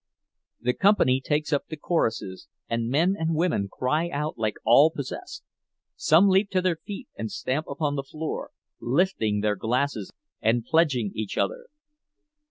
The company takes up the choruses, and men and women cry out like all possessed; some leap to their feet and stamp upon the floor, lifting their glasses and pledging each other.